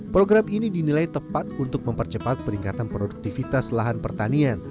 program ini dinilai tepat untuk mempercepat peningkatan produktivitas lahan pertanian